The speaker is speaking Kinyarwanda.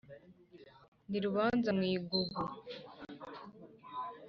ndi rubanza-mu-igugu